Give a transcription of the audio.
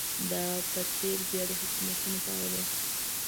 دا په تېره بیا د حکومتونو په اړه ده.